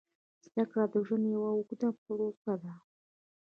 زده کړه د ژوند یوه اوږده پروسه ده.